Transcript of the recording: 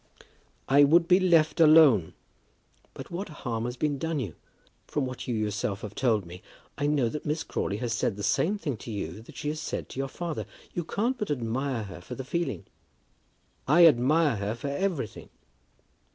"I would be left alone." "But what harm has been done you? From what you yourself have told me, I know that Miss Crawley has said the same thing to you that she has said to your father. You can't but admire her for the feeling." "I admire her for everything."